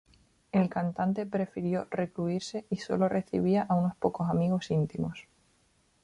El cantante prefirió recluirse y sólo recibía a unos pocos amigos íntimos.